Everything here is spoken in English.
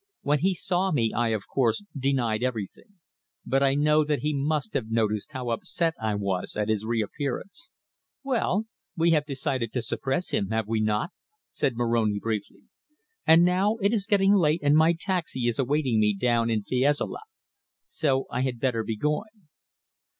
When he saw me, I, of course, denied everything. But I know that he must have noticed how upset I was at his reappearance." "Well, we have decided to suppress him, have we not?" said Moroni briefly. "And now it is getting late and my taxi is awaiting me down in Fiesole. So I had better be going."